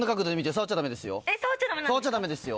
触っちゃダメですよ。